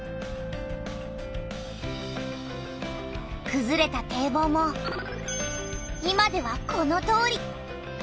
くずれた堤防も今ではこのとおり。